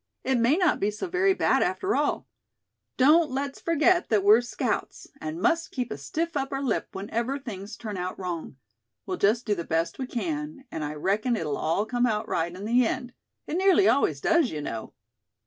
"It may not be so very bad, after all. Don't let's forget that we're scouts; and must keep a stiff upper lip whenever things turn out wrong. We'll just do the best we can; and I reckon it'll all come out right in the end. It nearly always does, you know."